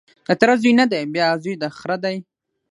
د تره زوی نه دی بیا زوی د خره دی